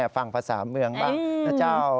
ฟังภาษาเมืองบ้างนะเจ้า